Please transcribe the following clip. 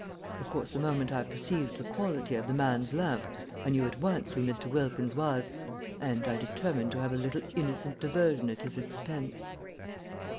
Of course, the moment I perceived the quality of the man's lamp I knew at once who Mr. Wilkins was, and I determined to have a little innocent diversion at his expense.